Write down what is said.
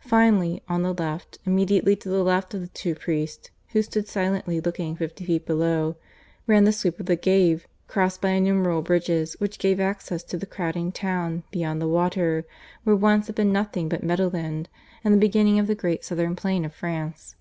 Finally, on the left, immediately to the left of the two priests who stood silently looking, fifty feet below, ran the sweep of the Gave, crossed by innumerable bridges which gave access to the crowding town beyond the water, where once had been nothing but meadowland and the beginning of the great southern plain of France.